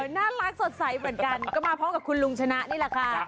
น่ารักสดใสเหมือนกันก็มาพร้อมกับคุณลุงชนะนี่แหละค่ะ